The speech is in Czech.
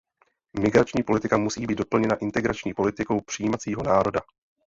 Migrační politika musí být doplněna integrační politikou přijímajícího národa.